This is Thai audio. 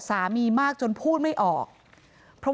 นายพิรายุนั่งอยู่ติดกันแบบนี้นะคะ